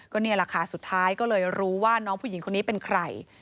นี่แหละค่ะสุดท้ายก็เลยรู้ว่าน้องผู้หญิงคนนี้เป็นใคร